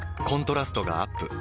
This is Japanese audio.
コントラストがアップ。